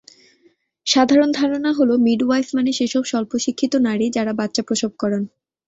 সাধারণ ধারণা হলো, মিডওয়াইফ মানে সেসব স্বল্পশিক্ষিত নারী, যাঁরা বাচ্চা প্রসব করান।